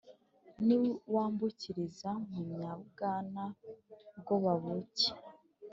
niwambukiriza mu nyabwana bwobabuke,